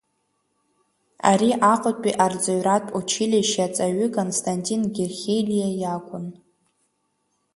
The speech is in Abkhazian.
Ари Аҟәатәи арҵаҩратә училишьче аҵаҩы Константин Герхелиа иакәын.